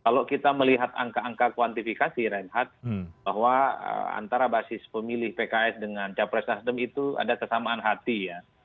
kalau kita melihat angka angka kuantifikasi reinhardt bahwa antara basis pemilih pks dengan capres nasdem itu ada kesamaan hati ya